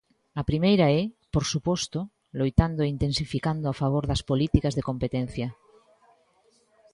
A primeira é, por suposto, loitando e intensificando a favor das políticas de competencia.